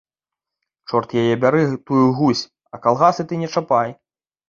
Чорт яе бяры тую гусь, а калгасы ты не чапай!